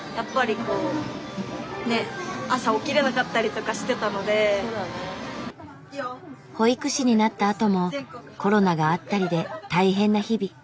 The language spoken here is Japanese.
だから多分保育士になったあともコロナがあったりで大変な日々。